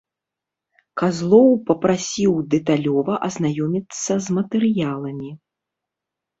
Казлоў папрасіў дэталёва азнаёміцца з матэрыяламі.